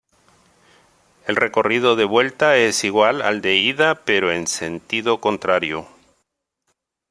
El recorrido de vuelta es igual al de ida pero en sentido contrario.